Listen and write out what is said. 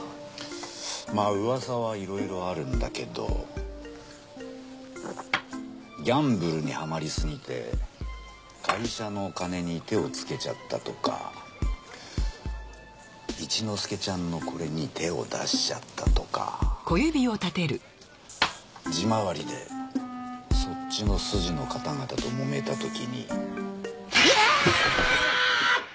まあ噂はいろいろあるんだけどギャンブルにはまりすぎて会社のカネに手をつけちゃったとか一之助ちゃんのこれに手を出しちゃったとか地回りでそっちの筋の方々ともめたときにやっ！